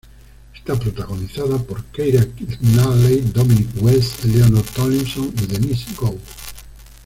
Está protagonizada por Keira Knightley, Dominic West, Eleanor Tomlinson y Denise Gough.